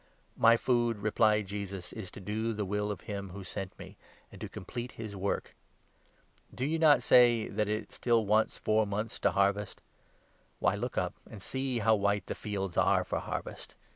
"My food," replied Jesus, "is to do the will of him who 34 sent me, and to complete his work. Do not you say that it 35 still wants four months to harvest ? Why, look up, and see how white the fields are for harvest